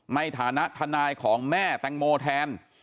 ในฐานะทนายของแม่แตงโมแทน